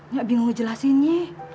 nya bingung ngejelasinnya